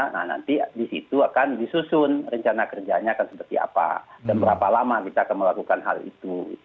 nah nanti disitu akan disusun rencana kerjanya akan seperti apa dan berapa lama kita akan melakukan hal itu